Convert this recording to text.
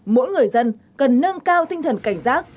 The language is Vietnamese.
mỗi người dân cần nâng cao tinh thần cảnh giác